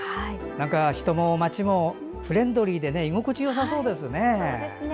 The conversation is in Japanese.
人も町もフレンドリーで居心地よさそうですね。